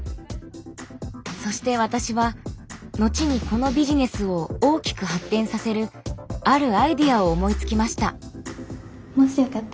そして私は後にこのビジネスを大きく発展させるあるアイデアを思いつきました。